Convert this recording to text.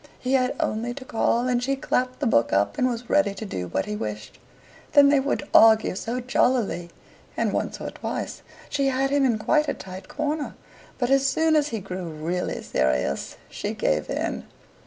He had only to call, and she clapped the book up and was ready to do what he wished. Then they would argue so jollily, and once or twice she had him in quite a tight corner, but as soon as he grew really serious, she gave in.